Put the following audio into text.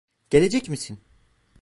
Gelecek misin?